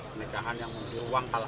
pernikahan yang di ruang kalah